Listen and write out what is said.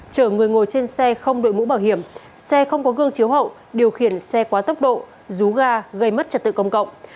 chở người ngồi trên xe không đội mũ bảo hiểm xe không có gương chiếu hậu điều khiển xe quá tốc độ rú ga gây mất trật tự công cộng